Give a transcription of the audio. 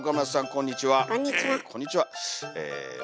こんにちは。